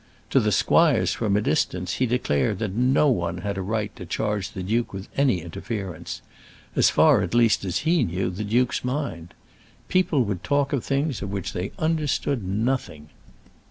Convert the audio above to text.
To the squires from a distance he declared that no one had a right to charge the duke with any interference; as far, at least, as he knew the duke's mind. People would talk of things of which they understood nothing.